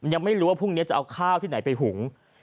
ยังไม่รู้ว่าพรุ่งนี้จะเอาข้าวที่ไหนไปหุง